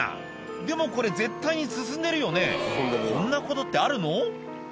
でもこれ絶対に進んでるよねこんなことってあるの？